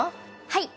はい。